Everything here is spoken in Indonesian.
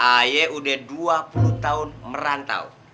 ay udah dua puluh tahun merantau